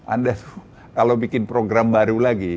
anda tuh kalau bikin program baru lagi